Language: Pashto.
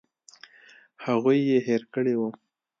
هغوی یې هېر کړي وو.